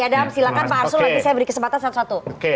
nanti saya beri kesempatan satu satu